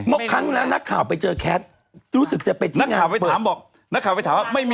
หมดครั้งแล้วนักข่าวไปเจอแขท